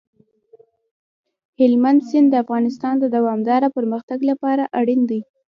هلمند سیند د افغانستان د دوامداره پرمختګ لپاره اړین دي.